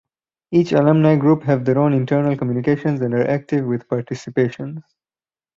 Each Alumni group have their own internal communications and are active with participations.